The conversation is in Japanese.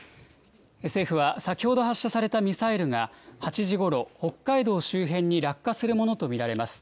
政府は先ほど発射されたミサイルが、８時ごろ、北海道周辺に落下するものと見られます。